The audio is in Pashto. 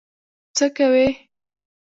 څه کوې؟